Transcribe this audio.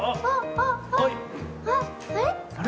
あっあれ？